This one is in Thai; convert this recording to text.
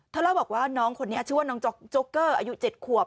เล่าบอกว่าน้องคนนี้ชื่อว่าน้องโจ๊กเกอร์อายุ๗ขวบ